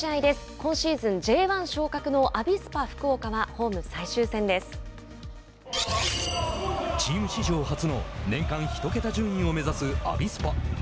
今シーズンＪ１昇格のアビスパ福岡はチーム史上初の年間１桁順位を目指すアビスパ。